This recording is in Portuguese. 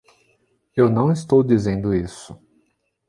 Eu não estou dizendo isso.